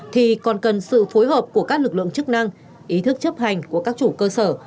thì còn cần sự phối hợp của các lực lượng chức năng ý thức chấp hành của các chủ cơ sở